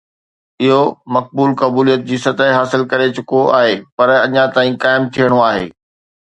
اهو مقبول قبوليت جي سطح حاصل ڪري چڪو آهي پر اڃا تائين قائم ٿيڻو آهي.